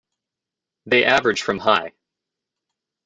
They average from high.